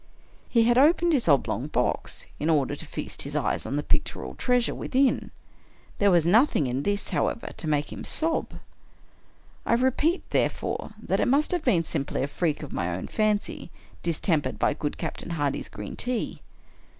He had opened his oblong box, in order to feast his eyes on the pictorial treasure within. There was nothing in this, however, to make him sob. I repeat, there fore, that it must have been simply a freak of my own fancy, distempered by good Captain Hardy's green tea.